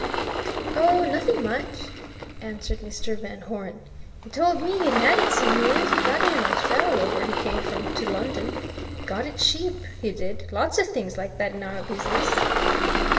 "Oh, nothing much," answered Mr. Van Hoeren. "He told me he'd had it some years got it in Australia, where he come from to London. Got it cheap, he did lots of things like that in our business."